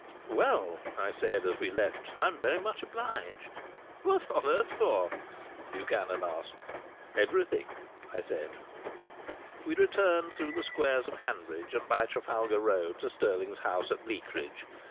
"Well," I said as we left, "I'm very much obliged." "What on earth for?" Buchanan asked. "Everything," I said. We returned through the squares of Hanbridge and by Trafalgar Road to Stirling's house at Bleakridge.